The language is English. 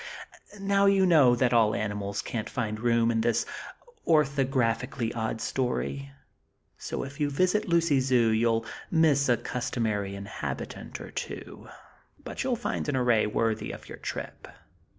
Now, you know that all animals can't find room in this orthographically odd story; so, if you visit Lucy Zoo, you'll miss a customary inhabitant, or two. But you'll find an array worthy of your trip.